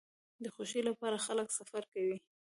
د خوښۍ لپاره خلک سفر کوي.